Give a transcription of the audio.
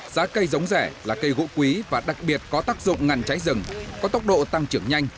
giá cây giống rẻ là cây gỗ quý và đặc biệt có tác dụng ngăn cháy rừng có tốc độ tăng trưởng nhanh